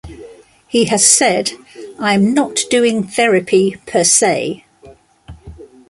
He has said: I am not doing therapy per se.